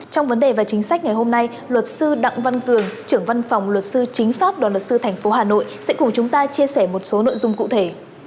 trong vấn đề và chính sách ngày hôm nay luật sư đặng văn cường trưởng văn phòng luật sư chính pháp đoàn luật sư tp hà nội sẽ cùng chúng ta chia sẻ một số nội dung cụ thể